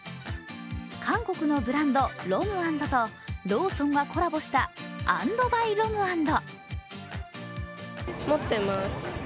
韓国のブランド・ｒｏｍ＆ｎｄとローソンがコラボした＆ｎｄｂｙｒｏｍ＆ｎｄ。